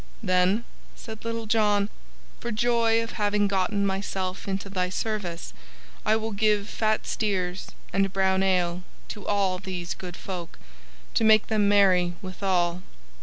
"Then," said Little John, "for joy of having gotten myself into thy service, I will give fat steers and brown ale to all these good folk, to make them merry withal."